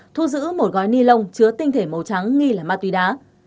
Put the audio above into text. thu giữ một gói ni lông chứa tinh thể màu trắng nghi là ma túy đá